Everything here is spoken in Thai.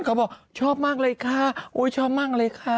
เขาบอกชอบมากเลยค่ะโอ้ยชอบมากเลยค่ะ